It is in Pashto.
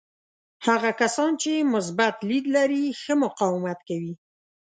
هغه کسان چې مثبت لید لري ښه مقاومت کوي.